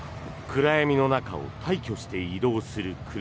暗闇の中を大挙して移動する車。